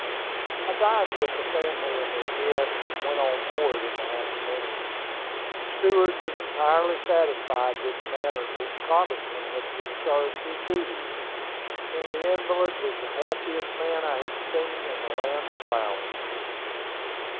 I dined with the family and their guests, and went on board in the afternoon. The steward was entirely satisfied with the manner in which Cobbington had discharged his duties, and the invalid was the happiest man I had seen in the Land of Flowers.